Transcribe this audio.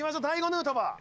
ヌートバー。